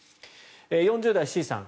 ４０代、Ｃさん